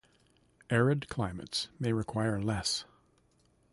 Arid climates may require less.